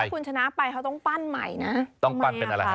คุณชนะไปเขาต้องปั้นใหม่นะต้องปั้นเป็นอะไรฮะ